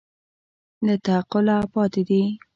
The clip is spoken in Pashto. له تعقله پاتې دي